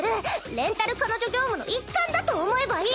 レンタル彼女業務の一環だと思えばいいっス。